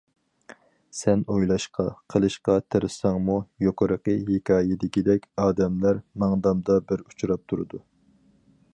سەن ئويلاشقا، قىلىشقا تىرىشساڭمۇ، يۇقىرىقى ھېكايىدىكىدەك ئادەملەر ماڭدامدا بىر ئۇچراپ تۇرىدۇ.